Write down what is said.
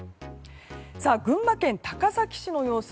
群馬県高崎市の様子。